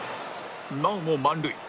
なおも満塁